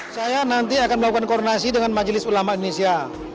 saya nanti akan melakukan koordinasi dengan majelis ulama indonesia